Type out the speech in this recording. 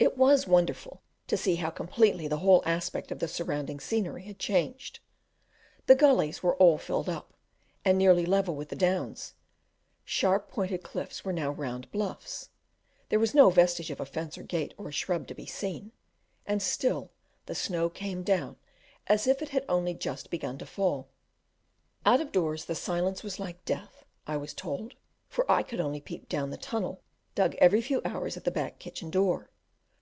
It was wonderful to see how completely the whole aspect of the surrounding scenery was changed; the gullies were all filled up, and nearly level with the downs; sharp pointed cliffs were now round bluffs; there was no vestige of a fence or gate or shrub to be seen, and still the snow came down as if it had only just begun to fall; out of doors the silence was like death, I was told, for I could only peep down the tunnel dug every few hours at the back kitchen door.